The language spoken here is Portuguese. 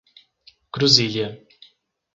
Cruzília